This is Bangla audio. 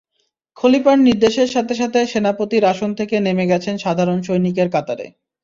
খলিফার নির্দেশের সাথে সাথে সেনাপতির আসন থেকে নেমে গেছেন সাধারণ সৈনিকের কাতারে।